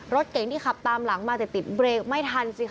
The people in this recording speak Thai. รถเก๋งที่ขับตามหลังมาติดเบรกไม่ทันสิค่ะ